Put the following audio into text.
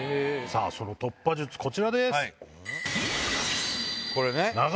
その突破術こちらです。